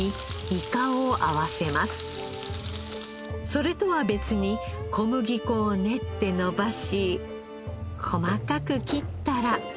それとは別に小麦粉を練って延ばし細かく切ったら。